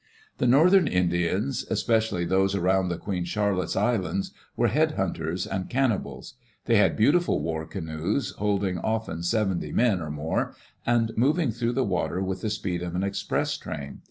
The northern Indians, especially those around the Queen Charlotte^s Islands, were head hunters and can nibals. They had beautiful war canoes, holding often seventy men, or more, and moving through the water with the speed of an express train.